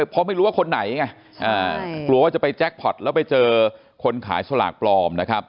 เพราะไม่รู้ว่าคนไหนไงกลัวว่าจะไปแจ็คพอร์ตแล้วไปเจอคนขายสลากปลอมนะครับ